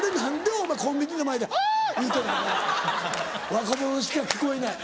若者にしか聞こえない。